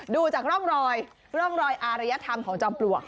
ดูจากร่องรอยร่องรอยอารยธรรมของจอมปลวก